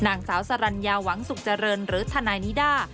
นางสาวสรรญาหวังสุขเจริญหรือทนายนิด้า